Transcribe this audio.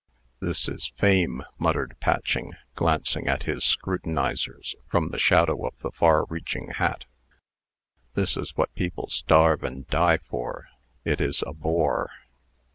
"This is fame," muttered Patching, glancing at his scrutinizers from the shadow of the far reaching hat. "This is what people starve and die for. It is a bore."